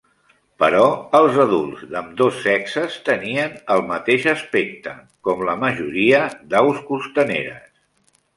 Però els adults d'ambdós sexes tenen el mateix aspecte, com la majoria d'aus costaneres.